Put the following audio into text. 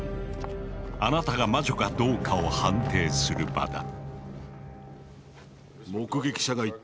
あなたが魔女かどうかを判定する場だ。